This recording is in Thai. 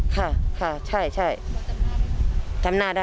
สวัสดีครับ